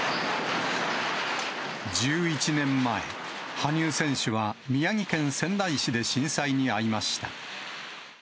１１年前、羽生選手は宮城県仙台市で震災に遭いました。